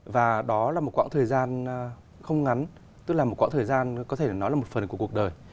và đó là một quãng thời gian không ngắn tức là một quãng thời gian có thể nói là một phần của cuộc đời